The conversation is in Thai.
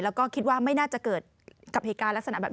แล้วก็คิดว่าไม่น่าจะเกิดกรรมพิการลักษณะแบบนี้ด้วย